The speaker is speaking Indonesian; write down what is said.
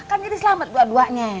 kan jadi selamat dua duanya